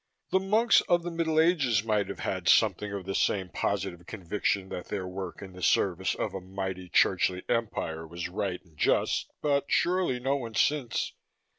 The monks of the Middle Ages might have had something of the same positive conviction that their work in the service of a mighty churchly empire was right and just, but surely no one since.